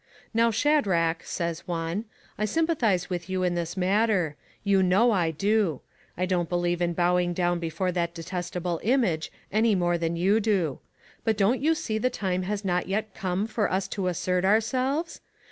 'Now, Shadrach,' says one, ' I sympathize with }rou in this matter ; you know I do. I don't believe in bowing down before that detestable image any more than you do ; but, don't you see the time has not yet come for us to assert ourselves